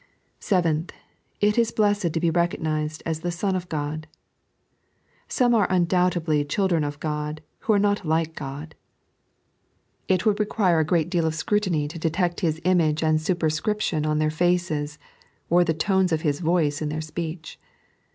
Seventh, it is blessed to be recognised at the ion of God. Some are undoubtedly children of Ood, who are not like God. It wonld^require a good deal of scrutiny to detect 3.n.iized by Google 22 Oh, the Blessedness! His image and BuperscriptioD on their faces, or the tones of His voice in their speech.